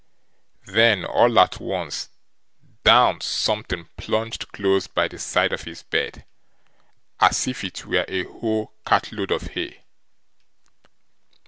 Then all at once down something plunged close by the side of his bed, as if it were a whole cartload of hay.